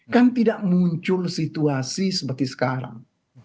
kan tidak muncul situasi seperti sekarang